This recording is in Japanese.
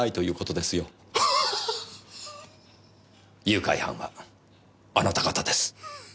誘拐犯はあなた方です。